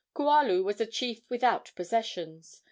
Kualu was a chief without possessions.